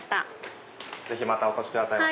ぜひまたお越しくださいませ。